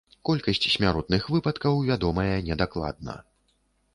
Колькасць смяротных выпадкаў вядомая недакладна.